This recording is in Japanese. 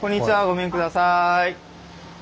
ごめんください。